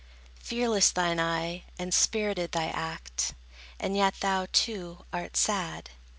Fearless thine eye, and spirited thy act; And yet thou, too, art sad.